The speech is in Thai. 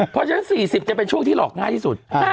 เพราะฉะนั้น๔๐จะเป็นช่วงที่หลอกง่ายที่สุด